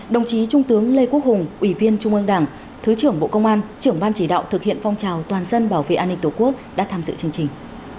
đồng chí trung tướng lê quốc hùng ủy viên trung ương đảng thứ trưởng bộ công an trưởng ban chỉ đạo thực hiện phong trào toàn dân bảo vệ an ninh tổ quốc đã tham dự chương trình